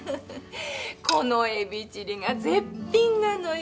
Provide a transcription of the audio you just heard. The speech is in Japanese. このエビチリが絶品なのよ。